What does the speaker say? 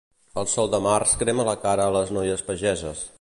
El sol de març crema la cara a les noies pageses.